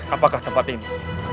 apakah tempat ini